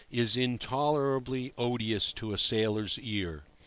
—is intolerably odious to a sailor's ear.